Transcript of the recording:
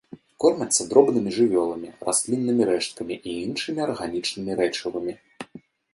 Кормяцца дробнымі жывёламі, расліннымі рэшткамі і іншымі арганічнымі рэчывамі.